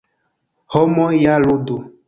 Homoj ja ludu.